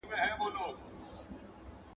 • ډېري خبري د کتاب ښې دي.